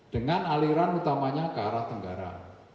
dengan aliran utamanya ke arah tenggara